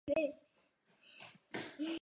康熙二十八年升迁为内阁学士。